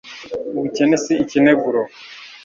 ubukene si ikineguro